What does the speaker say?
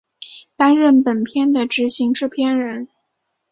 担任本片的执行制片人。